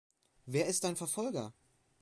Wer ist dein Verfolger?